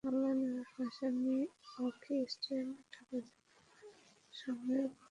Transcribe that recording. Maulana Bhashani hockey স্টেডিয়ামে ঢাকা জেলার সঙ্গে কালকের ফাইনালটাও হলো একপেশে।